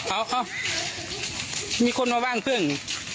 เขามีคนมาว่างเครื่อง